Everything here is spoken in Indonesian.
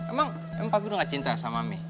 emang emang papi udah gak cinta sama mami